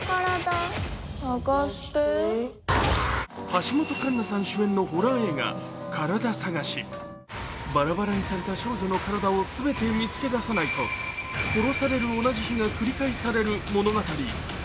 橋本環奈さん主演のホラー映画「カラダ探し」。バラバラにされた少女の体をすべて見つけ出さないと殺される同じ日が繰り返される物語。